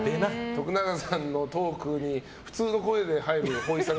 徳永さんのトークに普通の声で入るほいさん